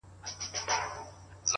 هره ورځ د نوې هڅې بلنه ده’